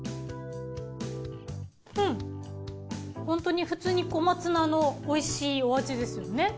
うんホントに普通に小松菜のおいしいお味ですよね。